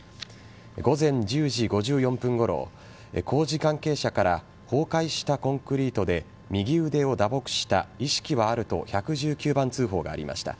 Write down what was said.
午前１０時５４分ごろ工事関係者から崩壊したコンクリートで右腕を打撲した意識はあると１１９番通報がありました。